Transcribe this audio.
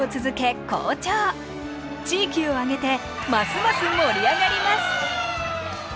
地域を挙げてますます盛り上がります。